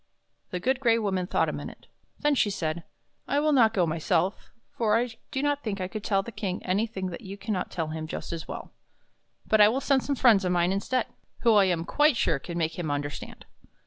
The Good Gray Woman thought a minute. Then she said: " I will not go myself, for I do not think I could tell the King anything that you can not tell him just as well. But I will send some friends of mine instead, who I am quite sure can make him understand.